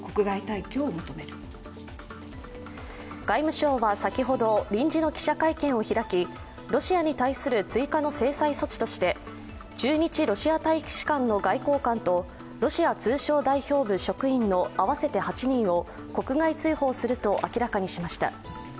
外務省は、先ほど臨時の記者会見を開きロシアに対する追加の制裁措置として駐日ロシア大使館の外交官とロシア通商代表部職員の合わせて８人を国外追放すると明らかにしました。